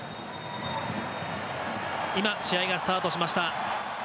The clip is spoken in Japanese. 今、試合がスタートしました。